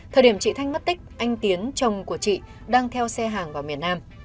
thời điểm chị thanh mất tích anh tiến chồng của chị đang theo xe hàng vào miền nam